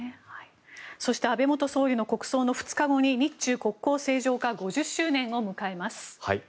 そして、安倍元総理の国葬の２日後に日中国交正常化５０周年を迎えます。